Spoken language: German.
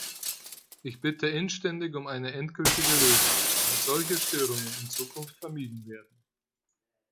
Ich bitte inständig um eine endgültige Lösung, damit solche Störungen in Zukunft vermieden werden.